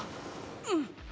⁉うん。